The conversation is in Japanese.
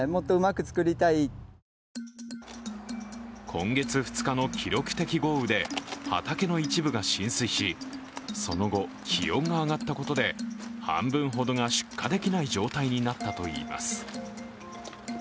今月２日の記録的豪雨で畑の一部が浸水し、その後、気温が上がったことで半分ほどが出荷できない状態になったといいます。